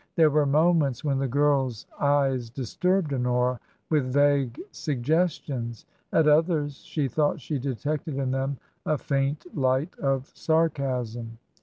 There were moments when the girl's eyes disturbed Honora with vague suggestions ; at others she thought she detected in them a faint light of sar casm.